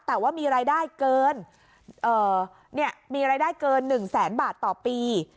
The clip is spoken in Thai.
แต่ว่ามีรายได้เกิน๑๐๐๐๐๐บาทต่อปี